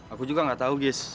aku juga gak tahu gis